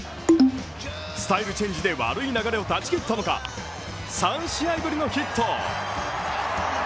スタイルチェンジで悪い流れを断ち切ったのか３試合ぶりのヒット。